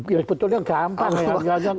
ya betulnya gampang